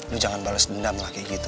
lu jangan balas dendam lah kayak gitu